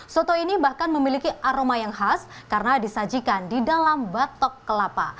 soto ini bahkan memiliki aroma yang khas karena disajikan di dalam batok kelapa